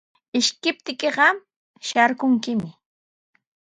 Ishkiptiykiqa shaarichishunkimi.